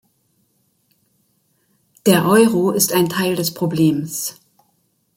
Der Euro ist ein Teil des Problems.